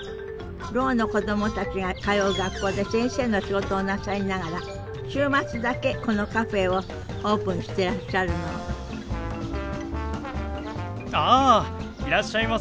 ろうの子供たちが通う学校で先生の仕事をなさりながら週末だけこのカフェをオープンしてらっしゃるのあいらっしゃいませ。